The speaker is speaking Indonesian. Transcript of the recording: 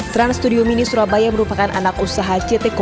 trans studio mini surabaya merupakan anak usaha